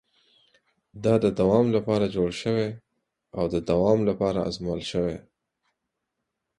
دا د دوام لپاره جوړ شوی او د دوام لپاره ازمول شوی.